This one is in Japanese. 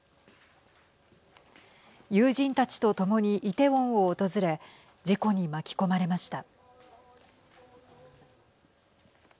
友人たちと共にイテウォンを訪れ事故に巻き込まれました。